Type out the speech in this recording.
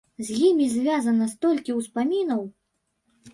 З імі звязана столькі ўспамінаў!